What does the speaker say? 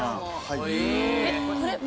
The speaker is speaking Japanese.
はい。